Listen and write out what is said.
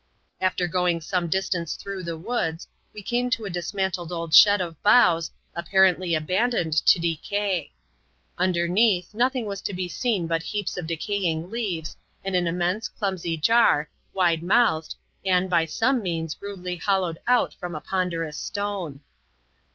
After going some distance through the wood^ we came to a dismantled old shed of boughs, apparently abandoned to decay. Underneath, nothing was to be seen but heaps of decaying leaves and an immense, clumsy jar, wide mouthed, and, by some means, rudely hollowed out from a ponderous stone.